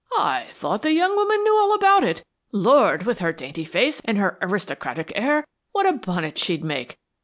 "I thought the young woman knew all about it. Lord, with her dainty face and her aristocratic air, what a bonnet she'd make.